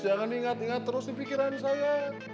jangan ingat ingat terus di pikiran saya